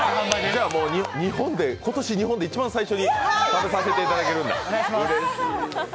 じゃあ今年日本で一番最初に食べさせていただけるんだ。